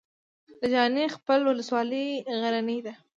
د جاني خیل ولسوالۍ غرنۍ ده